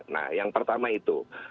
nah yang pertama itu